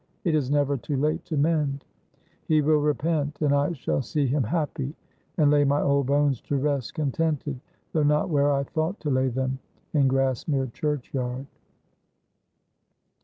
It is never too late to mend. He will repent, and I shall see him happy and lay my old bones to rest contented, though not where I thought to lay them, in Grassmere churchyard."